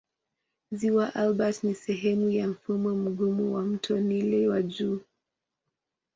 Ziwa Albert ni sehemu ya mfumo mgumu wa mto Nile wa juu.